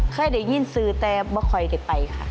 เคยได้ยินสื่อแต่ไม่ค่อยได้ไปค่ะ